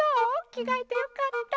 きがえてよかった。